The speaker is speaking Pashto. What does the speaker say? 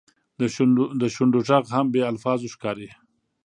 د شونډو ږغ هم بې الفاظو ښکاري.